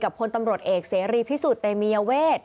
พลตำรวจเอกเสรีพิสุทธิ์เตมียเวท